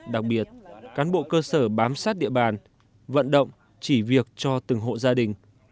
đặc biệt cán bộ cơ sở bám sát địa bàn vận động chỉ việc cho từng hộ gia đình